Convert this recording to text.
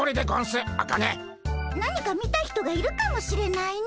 何か見た人がいるかもしれないね。